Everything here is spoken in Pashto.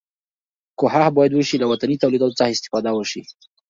کوښښ باید وشي له وطني تولیداتو څخه استفاده وشي.